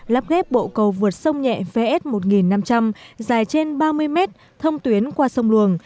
lắp ghép bộ cầu vượt sông nhẹ vs một nghìn năm trăm linh dài trên ba mươi mét thông tuyến qua sông luồng